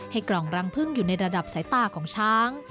กล่องรังพึ่งอยู่ในระดับสายตาของช้าง